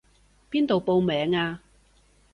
邊度報名啊？